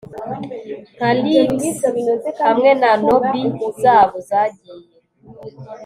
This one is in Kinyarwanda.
nka leeks hamwe na nobby zabo zagiye